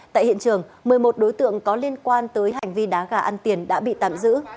tại hiện trường một mươi một đối tượng có liên quan tới hành vi đá gà ăn tiền đã bị tạm giữ